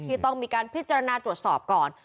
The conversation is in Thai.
ที่ต้องมีการพิจารณาตรวจสอบก่อน